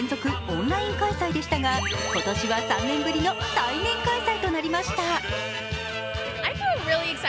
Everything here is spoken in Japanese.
オンライン開催でしたが今年は３年ぶりの対面開催となりました。